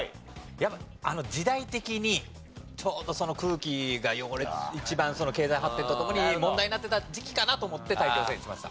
やっぱ時代的にちょうど空気が汚れ一番経済発展と共に問題になってた時期かなと思って大気汚染にしました。